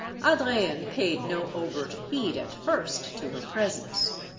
Adrienne paid no overt heed at first to her presence.